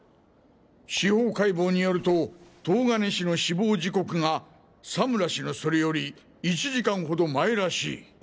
司法解剖によると東金氏の死亡時刻が佐村氏のそれより１時間ほど前らしい。